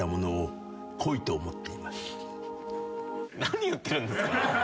何言ってるんですか？